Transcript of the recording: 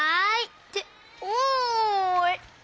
っておい！